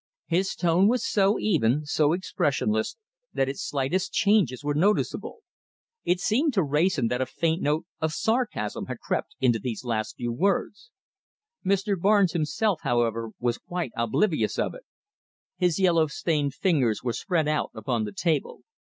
His tone was so even, so expressionless, that its slightest changes were noticeable. It seemed to Wrayson that a faint note of sarcasm had crept into these last few words. Mr. Barnes himself, however, was quite oblivious of it. His yellow stained fingers were spread out upon the table.